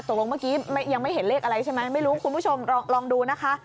ตกลงเมื่อกี้ยังไม่เห็นเลขอะไรใช่ไหมไม่รู้คุณผู้ชมลองดูนะคะ